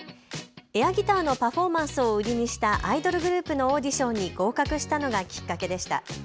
エアギターのパフォーマンスを売りにしたアイドルグループのオーディションに合格したのがきっかけでした。